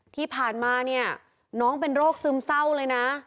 ที่ผ่านมาเนี่ยน้องเป็นโรคซึมเศร้าเลยนะ